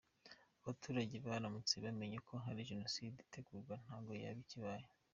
Abaturage baramutse bamenye ko ari Jenoside itegurwa ntago yaba ikibaye.